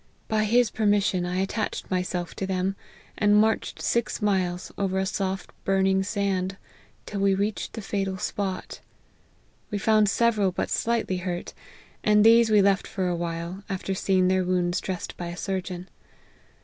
By his permission,. I attached myself to them, and inarched six miles over a soft burning sand, till we reached the fatal spot. We found several but slightly hurt ; and these we left for a while, after seeing their wounds dressed by a surgeon.